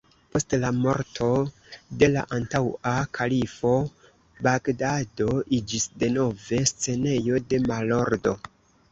Post la morto de la antaŭa kalifo, Bagdado iĝis denove scenejo de malordo.